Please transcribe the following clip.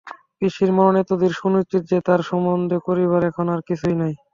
পিসির মরণ এতদূর সুনিশ্চিত যে তার সম্বন্ধে করিবার এখন আর কিছুই নাই।